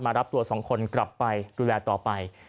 รับตัวสองคนกลับไปดูแลต่อไป